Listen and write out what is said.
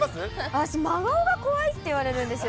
私、真顔が怖いって言われるんですよ。